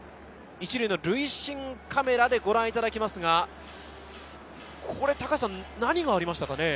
１塁の塁審カメラでご覧いただきますが、これは何がありましたか？